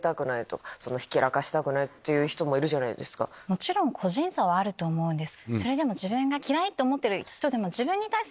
もちろん個人差はあると思うんです。